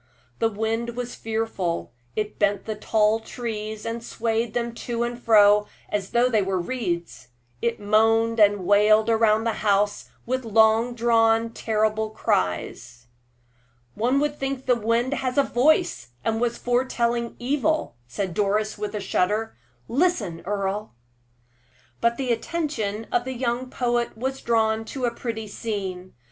The wind was fearful; it bent the tall trees, and swayed them to and fro as though they were reeds. It moaned and wailed round the house with long drawn, terrible cries. "One would think the wind had a voice, and was foretelling evil," said Doris, with a shudder. "Listen, Earle!" But the attention of the young poet was drawn to a pretty scene.